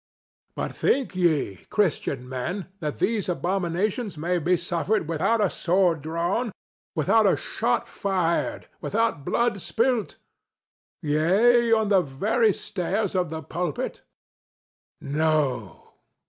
But think ye, Christian men, that these abominations may be suffered without a sword drawn, without a shot fired, without blood spilt—yea, on the very stairs of the pulpit? No!